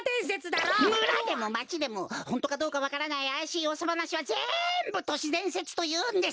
むらでもまちでもホントかどうかわからないあやしいうわさばなしはぜんぶ都市伝説というんです。